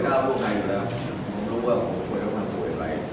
จะไม่ให้ผมใช่ไหมก้าวลงไทยมารึเปล่า